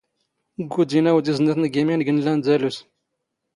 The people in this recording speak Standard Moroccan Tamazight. ⴳⴳⵓⴷⵉⵏ ⴰⵡⴷ ⵉⵣⵏⴰⵜⵏ ⴳ ⵉⵎⵉⵏⴳ ⵏ ⵍⴰⵏⴷⴰⵍⵓⵙ.